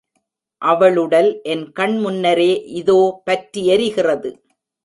அவளுடல் என் கண் முன்னரே இதோ பற்றி எரிகின்றது.